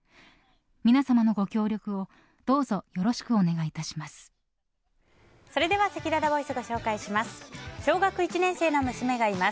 皆様のご協力をどうぞよろしくお願いいたします。